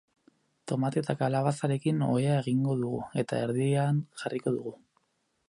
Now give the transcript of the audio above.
Tomate eta kalabazarekin ohea egingo dugu eta erdian jarriko dugu.